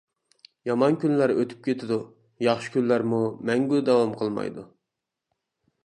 يامان كۈنلەر ئۆتۈپ كېتىدۇ، ياخشى كۈنلەرمۇ مەڭگۈ داۋام قىلمايدۇ.